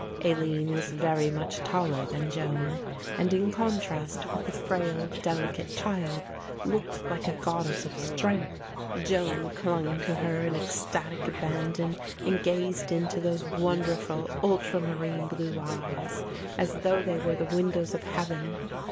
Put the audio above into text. Aline was very much taller than Joan and in contrast with the frail delicate child looked like a goddess of strength. Joan clung to her in ecstatic abandon and gazed into those wonderful ultramarine blue eyes as though they were the windows of heaven.